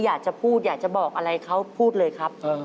อยากจะบอกอะไรเขาพูดเลยครับ